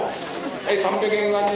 はい１００円！